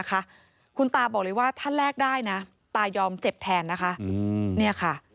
คุณตาบอกเลยว่าถ้าแลกได้นะตายอมเจ็บแทนนะคะ